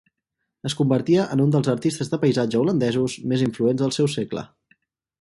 Es convertia en un dels artistes de paisatge holandesos més influents del seu segle.